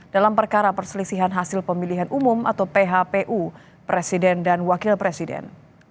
dalam perkara perselisihan hasil pemilihan umum atau phpu presiden dan wakil presiden